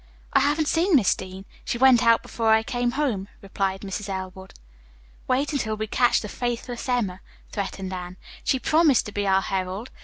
"I haven't seen Miss Dean. She went out before I came home," replied Mrs. Elwood. "Wait until we catch the faithless Emma," threatened Anne. "She promised to be our herald.